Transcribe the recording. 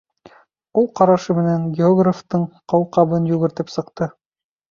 Ул ҡарашы менән географтың ҡауҡабын йүгертеп сыҡты.